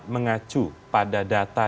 mengacu pada data